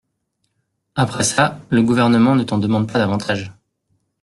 Après ça, le gouvernement ne t’en demande pas davantage.